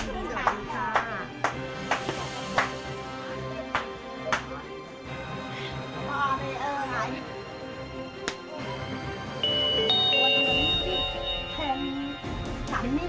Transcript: ทำไมแพงเข้าไปเลย